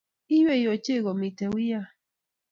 inywei ochei komiten wian